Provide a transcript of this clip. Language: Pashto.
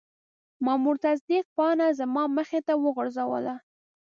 مامور تصدیق پاڼه زما مخې ته وغورځوله.